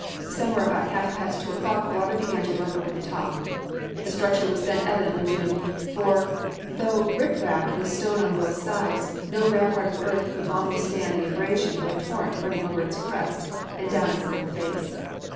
Somewhere about half past two o'clock water began to run over the top. The structure was then evidently doomed; for, though riprapped with stone on both slopes, no rampart of earth could long withstand the abrasion of a torrent running over its crest, and down its lower face.